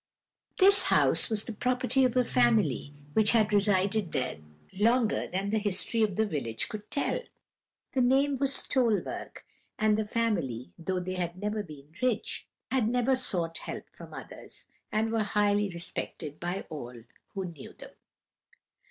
"This house was the property of a family which had resided there longer than the history of the village could tell. The name was Stolberg, and the family, though they had never been rich, had never sought help from others, and were highly respected by all who knew them.